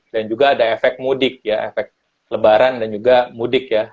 dan juga ada efek mudik ya efek lebaran dan juga mudik ya